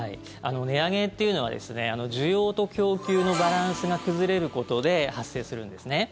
値上げというのは需要と供給のバランスが崩れることで発生するんですね。